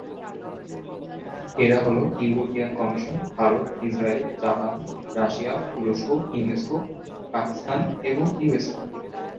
এরা হলো European commission, Bharat, Israel, Japan, Russia, তুরস্ক, ইউনেস্কো, পাকিস্তান এবং ইউএসএ।